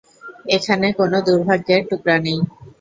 এখানে কোনো দুর্ভাগ্যের টুকরো নেই।